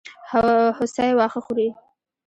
هوسۍ واښه خوري.